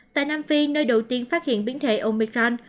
tại nam phi nơi đầu tiên phát hiện biến thể omicrand